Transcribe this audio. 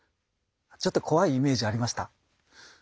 ちょっと怖いイメージありました？